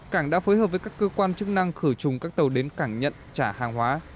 cảng đã phối hợp với các cơ quan chức năng khử trùng các tàu đến cảng nhận trả hàng hóa